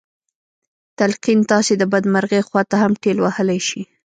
تلقين تاسې د بدمرغۍ خواته هم ټېل وهلی شي.